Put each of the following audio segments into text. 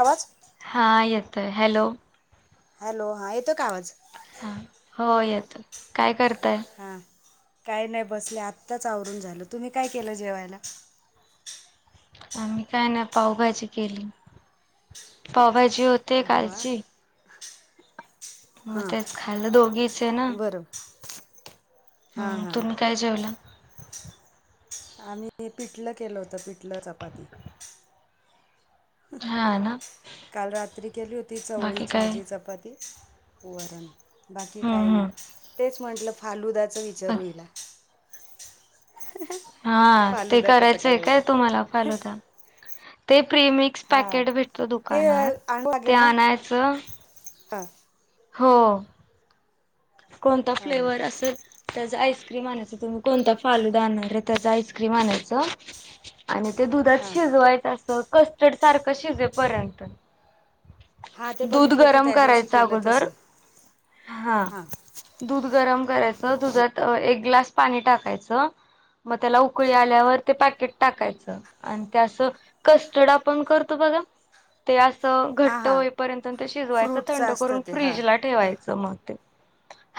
आवाज हा येतो हॅलो. हॅलो हाय हा हो येतं काय करताय? हां काय नाही बसले आत्ताच आवरून झालं तुम्ही काय केलं जेवायला? आम्ही काय ना पावभाजी केली पावभाजी ची होते अरे वा कालची मग हां तेच खायला दोघीच आहे ना. बरं हां हम्म हां तुम्ही काय जेवला? आम्ही पिठलं केलं होतं पिठलं चपाती. हा ना काल रात्री केली होती चवळी बाकी काय भाजी चपाती वरण बाकी काय हम्म नाही हम्म तेच म्हटलं फालुदाचा विचारू हिला. हा ते फालुदा कसा करायचंय काय करायचा तुम्हाला फालूदा? ते प्रीमिक्स हां पॅकेट भेटत ते दुकानात ते आणायचं हा. हो. कोणता हां हां फ्लेवर असेल त्याचा आईस्क्रीम आणायचा तुम्ही कोणता फालूदा आणणार आहे त्याच आईस्क्रीम आणायचा आणि ते दुधात हां शिजवायचं असं कस्टर्ड सारखं शिजेपर्यंत- हा ते दूध बघितलं तू गरम त्या दिवशी करायचं केलं अगोदर तसं हा. दूध गरम करा मग त्याला उकळी आल्यावर ते पॅकेट टाकायचं आणि त्या असं कस्टर्ड आपण करतो बघा ते अ स हां घट्ट हां होईपर्यंत तेन शिजवायचं फ्रूटचं थंड असतं करून ते हां फ्रीज ला ठेवायचं मग ते.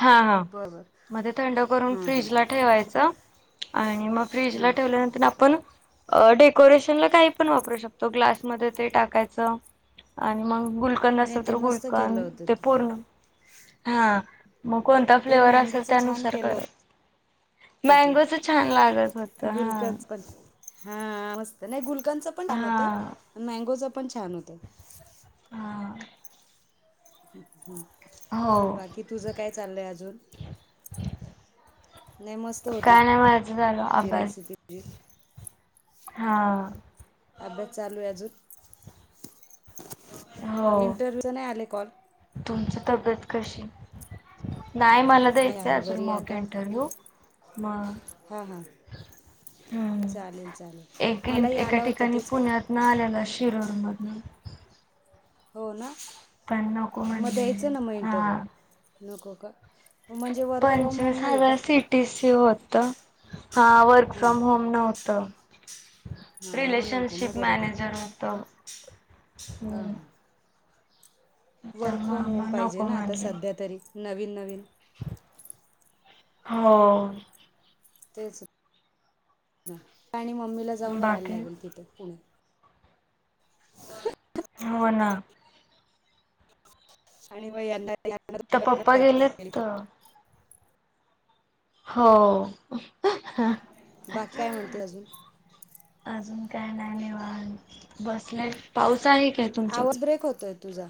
हा हा बरोबर म ते थंड करून हां हां फ्रीज ला हां ठेवायचा. आणि मग फ्रीज ला हां ठेवल्यानंतर आपण अ डेकोरेशनला काही पण वापरू शकतो ग्लासमध्ये ते टाकायचं आणि मग गुलकंद नाही असल ते तर मस्त केलं गुलकंद होतं ते तू पूर्ण हा. मग कोणता ते फ्लेवर असेल मँगोचं छान त्यानुसार केलं कराय होतं तू मैंगोचा छान लागत होतं हा. हा मस्त नाही गुलकनचा पण छान हा होतं मैंगोचा पण छान होतं. हा. हम्म हो बाकी तुझं काय चाललंय अजून? नाही मस्त होती काय नाही माझं झालं ती अभ्यास रेसिपी तुझी. हा. अभ्यास चालू आहे अजून हो इंटरव्ह्यूचा नाही आले कॉल? तुमची तब्येत कशी? नाही मला आहे द्यायचं आहे अजून बरी आहे मॉक आता इंटरव्ह्यू मग हां हां हा चालेल चालेल एकी मलाही एका आला होता ठिकाणी तेच पुण्यातनं आलेला. शिरवर मधनं हो ना म द्यायचं ना म इंटरव्ह्यू हा नको का. म्हणजे वर्क फ्रॉम होम पंचवीस नाही आहे हजार का? सीटीसी होत हा वर्क हां फ्रॉम होम नव्हतं. हां मग नको मग रिलेशनशिप मॅनेजर होतं. हा हम्म हा वर्क फ्रॉम त्यामुळे होम मग पाहिजे नको ना आता म्हणले सध्या तरी नवीन नवीन हो तेच आणि मम्मीला जाऊन राहायला बाकी लागेल तिथ पुण्यात हो ना आणि म यांना यांना आता दोघांना पप्पा राहायला लागेल गेलेत इथं. हो बाकी काय म्हणते आजून? आजून काय नाही निवात बसले पाऊस आहे काय तुमच्याकडे आवाज ब्रेक होतोय तुझा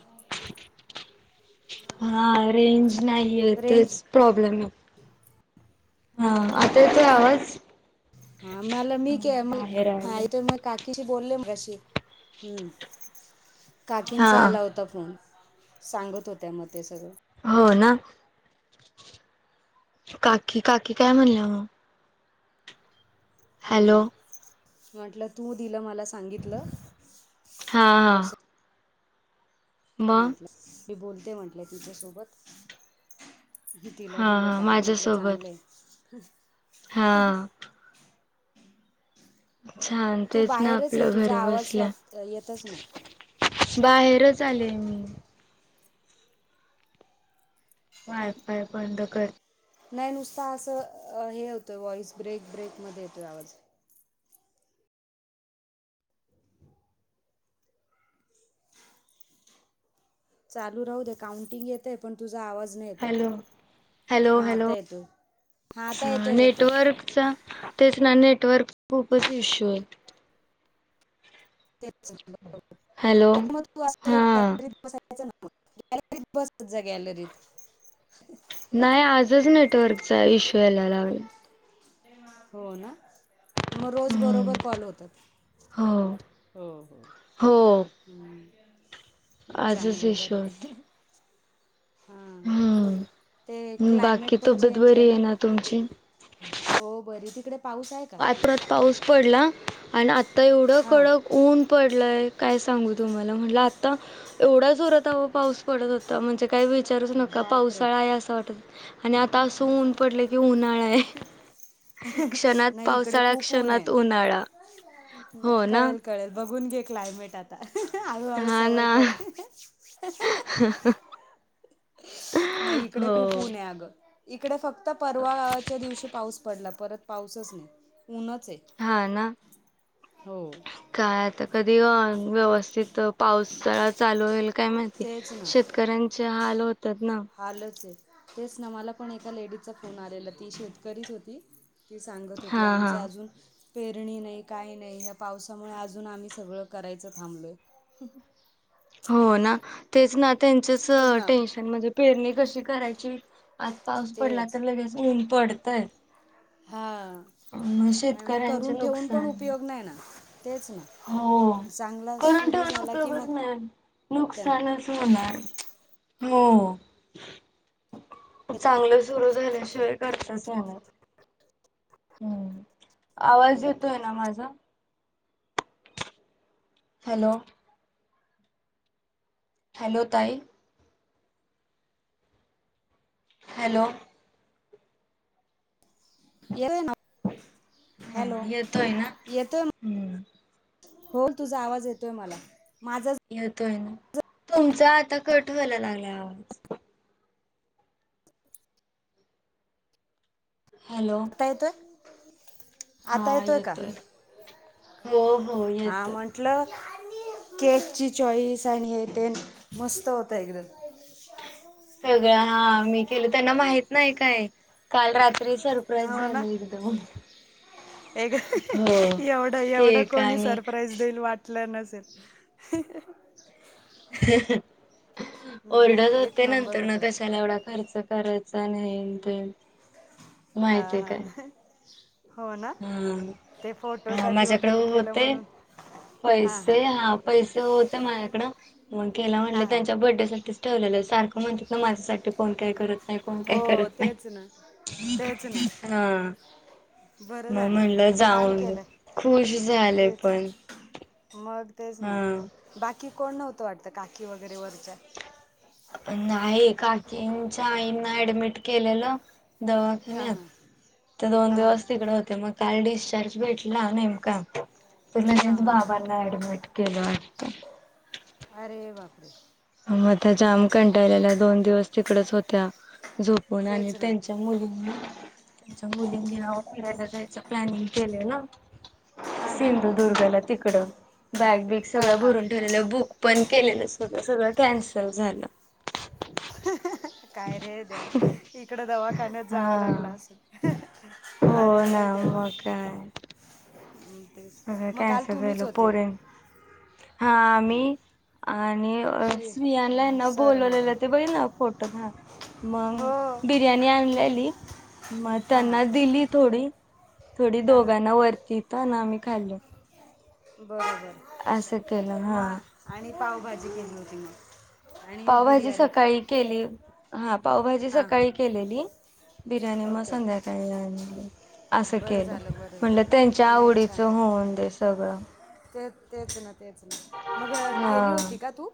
हा रेंज नाहीय रेंज तेच प्रॉब्लेम हा आता येतोय आवाज? हा मला हा मी के मला बाहेर हा आले. येतोय मग काकीशी बोले मगाशी हुं हा काकीनचा आला होता फोन. सांगत होत्या म ते सगळं हो ना काकी काकी काय म्हणल्या म? हा म्हटलं तू दिलं मला सांगीतल हा प्रो हा मग म्हटल्या मी बोलते म्हटले तिच्यासोबत. तिला हा दिलं हा काम म्हटलं माझ्यासोबत चांगलं हे. हा छान तू तेच ना बाहेरच आहे आपलं घर तुझा आवाज बसल्या स्वात येतच नाही बाहेरच आले मी वाय-फाय बंद कर. नाही नुसता आसं हे होतंय व्हॉइस ब्रेक ब्रेक मध्ये येतोय आवाज चालू राहू दे काउंटिंग येतय पण तुझा आवाज नाही येतये हॅलो हॅलो हॅलो हां आता येतो आहे येतो आहे नेटवर्कचा तेच ना नेट वर्क खूपच इश्यू आहे. तेच बरोबर हॅलो नाही मग तू असं हा गॅलरीत बसायचं गॅलरीत बसत जा गॅलरीत नाही आजच नेटवर्कचा इश्यू याय लागलाय. हो ना मग रोज हम्म. बरोबर कॉल होतात. हो हो हो हो हम् आजच इश्यू होतय. हां ते हम्म् बाकी क्लायमेट पण तब्येत चेंज बरी आहे ना तुमची? हो बरी तिकडे पाऊस आहे का आत रात पाऊस पडला आणि आता एवढं हां कडक ऊन पडलय काय सांगू तुम्हाला म्हटल आता एवढा जोरात आओ पाऊस पडत होता म्हणजे काही विचारूच नका बापरे पावसाळा आहे आसं वाटत आणि आता अस ऊन पडलय कि उन्हाळा आहे क्षणात नाही इकडे पावसाळा खूप ऊन क्षणात आहे उन्हाळा हो ना गुणगे क्लायमेट आता हाळू हाळू हा सवय ना कर. नाही इकडे हो खूप ऊन आहे आगं इकडे फक्त परवाच्या दिवशी पाऊस पडला परत पाऊसच नाही. ऊनच आहे. हा ना हो. काय आता कधी व्यवस्थित पावसाळा चालू होईल काय माहिती तेच ना शेतकऱ्यांचे हाल हो हालच हे तेच ना मला पण एका लेडीचा फोन आलेला ती शेतकरीच होती ती सांगत होती हा हा आमच आजून पेरणी नाही काही नाही या पावसामुळे आजून आम्ही सगळं करायचं थांबलोय. [inaudible] हो ना. तेच ना त्यांचेच बघ ना टेन्शन म्हणजे पेरणी कशी करायची आज पाऊस पडला तेच तर लगेच ऊन पडतय हा. आणि मग शेतकऱ्यांचे करून ठेवून पण नुकसान. उपयोग नाही ना तेच ना. चांगला करंट सुरू येऊन झाला की उपयोगच मग नाही त्यां नुकसानच होणार. हो. चांगलं सुरू झाल्याशिवाय करताच येणार हम्म आवाज येतोय ना माझा? हॅलो. हॅलो ताई. हॅलो. येतोय ना. हा हॅलो. येतोय ना येतोय हम्म. हो तुझा आवाज येतोय मला माझाच तुमचा आता कट व्हायला लागलाय आवाज. हॅलो आता येतोय? हा आता का येतोय हो. हो हा येतोय म्हंटलं केक ची चॉईस आणि हेतेन मस्त होत एकदम. [unintelligible] मी केल त्यांना माहित नाही काय काल रात सरप्राईज झालं एकदम. ए हो एवढं एवढं केक कोणी आणि सरप्राईज देईल वाटलं न [inaudible] हम्म, ओरडत नाही एक होते नंबर नंतर न होतं कशाला एवढा खर्च करायच नाही ते. हा माहिती आहे काय हा. हा ह माझ्याकडे वगैरे केलं होते म्हणून हां हां पैसे हा पैसे होते माझ्याकडं. मग गेला म्हटलं हां हां त्यांच्या बर्थडे सासाठीच ठेवलेलं सारखं म्हणतात ना माझ साठी कोण काय करत नाही कोण काय हो करत नाही. तेच ना तेच ना हा. बरं मग झालं म्हटलं छान जाऊनदे केलं खुश झाले तेच पण. मग तेच ना हा बाकी कोण नव्हतं वाटत काकी वगैरे वरच्या? नाही काकींच्या आईंना ऍडमिट केलेलं हां दवाखान्यात हां ते दोन हां दिवस तिकडे होते मग काल डिश स्चार्ज भेटला नेमका तर हां लगेच हां बाबांना ऍडमिट केलं. अरे बापरे. मता जाम कंटाळल्याला दोन दिवस तिकडच होत्या झोपून आणि तेच ना त्यांच्या मुलगी त्यांच्या मुलींनी नाव फिरायला जायचं प्लॅनिंग केलय ना. हां हां सिंधुदुर्गला तिकड बॅग बीग हां सगळं हां भरून ठेवलेलं बुक पण केलेलं सगं सगळं कॅन्सल झालं. काय रे देव इकड दवाखान्यात जावं हा लागलं असल अरे देवा. म काय. हं, तेच सगळं मग काल कॅनसल झाल तुम्हीच होते परे हा हं. आम्ही आणि अ श्री स्त्रियांना अं, ऐना सर मॅडम बोलवलेलं ते बघतला ना फोटो त मग हो बिर्याणी आणलेली मग हां त्यांना हां दिली थोडी. थोडी हां हां दोघांना वरतीथ आम्ही खाल्ली. असं केलं बरोबर हा मग आणि पावभाजी केली होती मग आणि पावभाजी बिर्याणी का सकाळी केली हा पावभाजी हां हां सकाळी केलेली. बिर्याणी मग ओके संध्याकाळी आणली असं बरं केलं झालं बरं म्हणलं त्यांच्या झालं आवडीचं होऊंदे सगळं. तेचं तेचं ना तेचं ना, मग केली हा होती का तू?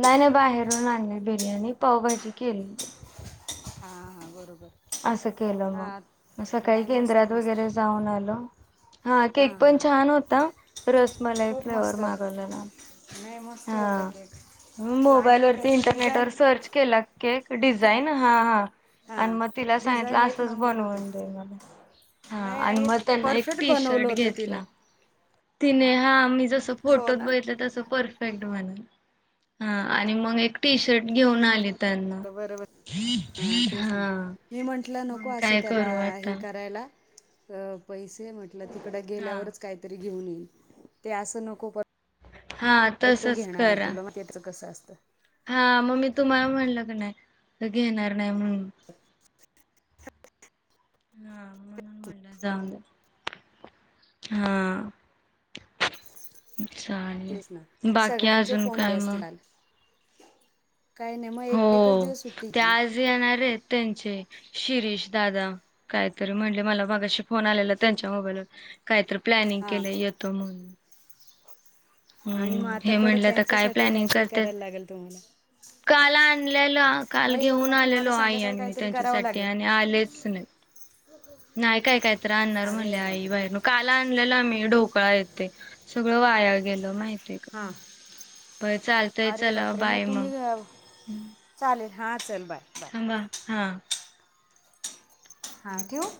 नाही नाही बाहेरून आणली बिर्याणी, पावभाजी केले होती. हा हा बरोबर असं केलं म, हां मग सकाळी नाही मस्त केंद्रात मस्त वगैरे जाऊन आलो हा हां केक पण हां छान होता, रसमलाई खूप फ्लेवर मस्त मागवलेला आम्ही नाही मस्त होता हा केक आणि मोबाईलवरती त्याचं इंटरनेटवर डिझाईन सर्च केला केक डिझाईन हा हा आणि हां मग तिला सांगितलं डिझाईन एक असंच नंबर होती बनवून दे मला. हा नाही आणि मग त्यांना एक परफेक्ट टी-शर्ट बनवलं होतं तिनं घेतला. किने हा मी जस हो फोटोत ना बघितलं तसं पर फेक्ट बनलं हा आणि मग एक टी-शर्ट घेऊन आलेतं अगं बर बर हा तेच ना, मी म्हंटलं नको मग असं काय त्याला करू अ हे आता करायला. अ पैसे म्हटलं तिकड हा गेल्यावरचं काहीतरी घेऊन येऊ ते असं नको पर हा परत तो तसच घेणार आहे करा तुला माहिती आहे त्याचं कसं असतं. हा मग मी तुम्हाला म्हटलं की नाही तो घेणार नाही म्हणून हा म्हणून म्हणलं जाऊन हा चालेल, तेच ना बाकी सगळ्यांचे अजून फोन काय आले मग? असतील [unintelligible] मग एक एकच हो, दिवस सुट्टी ते घेतली आज येणार आहेत. त्यांचे शिरीष दादा काहीतरी म्हणले मला मगाशी फोन आलेला त्यांच्या मोबाईलवर काहीतर प्लॅनिंग हा केलंय येतो म्हणून आणि मग हम्म आता हे परत म्हणलं आता काय त्यांच्यासाठी प्लॅनिंग काहीतरी करत्यात करायला लागल तुम्हाला काल आणल्याल काल नाही पण घेऊन मग तुम्हाला आलेलो आई संध्याकाळी आणि मी काहीतरी करावं त्यांच्यासाठी लागेल आणि आलेच नाहीत. नाही काय, काय तर आणणार अरे म्हंटलेयं आई बापरे बाहेरून काल आणलेलं आम्ही ढोकळा हे ते स गळ वाया गेलं माहित हा. अरे चला बापरे! मग बाय तुम्ही अ चालेल. हा चल बाय बाय. थांबा हा हा ठेवू?